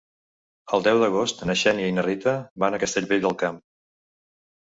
El deu d'agost na Xènia i na Rita van a Castellvell del Camp.